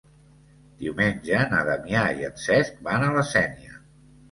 Diumenge na Damià i en Cesc van a la Sénia.